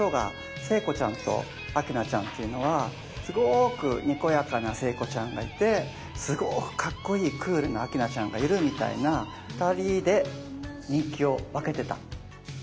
聖子ちゃんと明菜ちゃんっていうのはすごくにこやかな聖子ちゃんがいてすごくかっこいいクールな明菜ちゃんがいるみたいな２人で人気を分けてた。